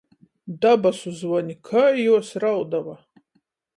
Dabasu zvoni, kai juos raudova!